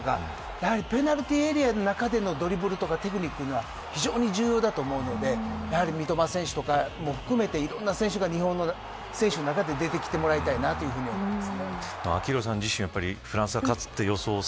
やはりペナルティーエリアの中でのドリブルやテクニックが非常に重要だと思うので三笘選手とかも含めていろんな選手が日本の選手が出てきてもらいたいと思います。